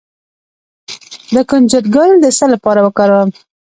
د کنجد ګل د څه لپاره وکاروم؟